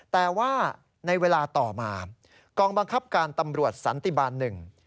แต่ว่าในเวลาต่อมากองบังคับการตำรวจสันติบาลหนึ่ง